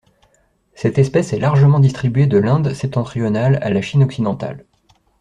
Cette espèce est largement distribuée de l'Inde septentrionale à la Chine occidentale.